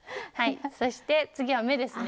そして次は目ですね。